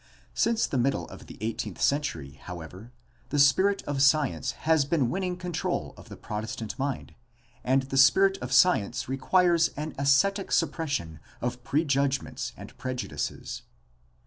Since the middle of the eighteenth century, however, the spirit of science has been winning control of the Protestant mind, and the spirit of science requires an ascetic suppression of prejudgments and prejudices.